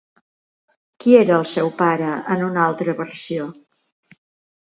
Qui era el seu pare, en una altra versió?